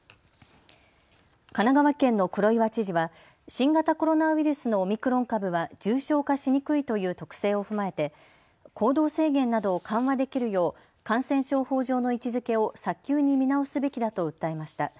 神奈川県の黒岩知事は新型コロナウイルスのオミクロン株は重症化しにくいという特性を踏まえて行動制限などを緩和できるよう感染症法上の位置づけを早急に見直すべきだと訴えました。